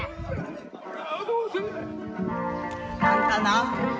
あんたな。